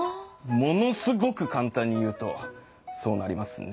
ものすごく簡単に言うとそうなりますね。